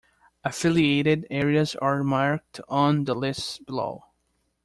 Affiliated areas are marked on the lists below.